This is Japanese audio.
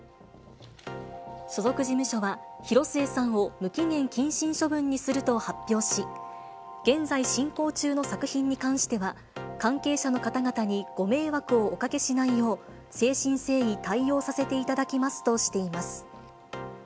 所属事務所は、広末さんを無期限謹慎処分にすると発表し、現在進行中の作品に関しては、関係者の方々にご迷惑をおかけしないよう、誠心誠意対応させていただきますとしています。